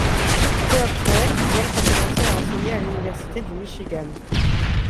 Peu après, Wolf a commencé à enseigner à l'Université du Michigan.